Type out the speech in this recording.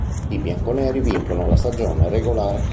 I bianconeri vincono la stagione regolare.